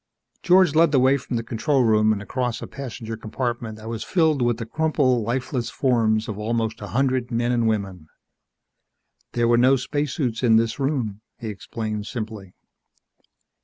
George led the way from the control room, and across a passenger compartment that was filled with the crumpled, lifeless forms of almost a hundred men and women. "There were no spacesuits in this room," he explained simply.